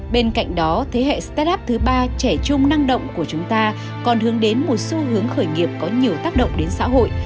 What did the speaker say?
bên cạnh đó thế hệ start up thứ ba trẻ trung năng động của chúng ta còn hướng đến một xu hướng khởi nghiệp có nhiều tác động đến xã hội